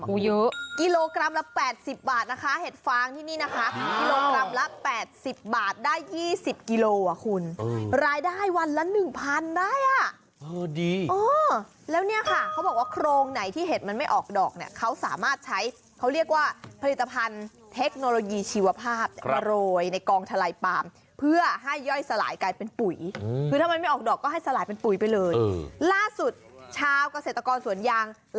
๒๐กิโลกรัมกิโลกรัมละ๘๐บาทนะคะเห็ดฟางที่นี่นะคะกิโลกรัมละ๘๐บาทได้๒๐กิโลกรัมคุณรายได้วันละ๑๐๐๐ได้อ่ะดีแล้วเนี่ยค่ะเขาบอกว่าโครงไหนที่เห็ดมันไม่ออกดอกเนี่ยเขาสามารถใช้เขาเรียกว่าผลิตภัณฑ์เทคโนโลยีชีวภาพมาโรยในกอง